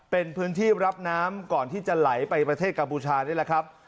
เป็นพื้นที่รับน้ำก่อนที่จะไหลไปประเทศกัมพูชานี่แหละครับ